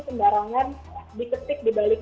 sembarangan diketik di balik